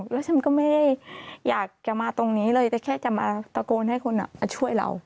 แล้วฉันก็ไม่ได้อยากจะมาตรงนี้เลยแต่แค่จะมาตะโกนให้คนมาช่วยเรา